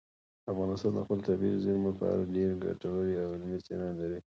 افغانستان د خپلو طبیعي زیرمو په اړه ډېرې ګټورې او علمي څېړنې لري.